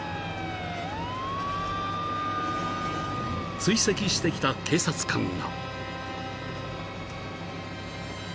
［追跡してきた警察官が］